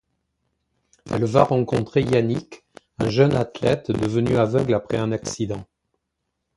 Elle va rencontrer Yannick, un jeune athlète devenu aveugle après un accident.